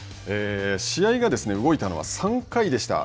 試合が動いたのは３回でした。